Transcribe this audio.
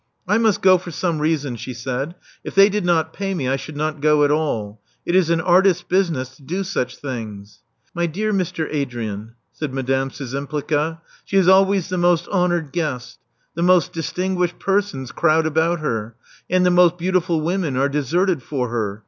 I must go for some reason," she said. If they did not pay me I should not go at all. It is an artist's business to do such things." *' My dear Mr. Adrian," said Madame Szczympliga, *'she is always the most honored guest. The most dis tinguished persons crowd about her; and the most beautiful women are deserted for her.